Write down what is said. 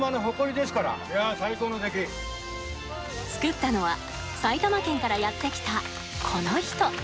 作ったのは埼玉県からやって来たこの人！